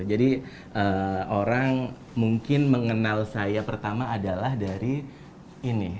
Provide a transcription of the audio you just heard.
jadi orang mungkin mengenal saya pertama adalah dari ini